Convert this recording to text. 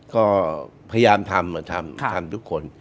ก็พยายามทำทำทุกคน